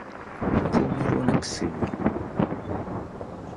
ผู้ไม่รู้หนังสือ